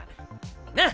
なっ！